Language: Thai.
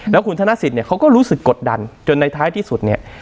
แล้วคุณธนสิทธิเนี่ยเขาก็รู้สึกกดดันจนในท้ายที่สุดเนี่ย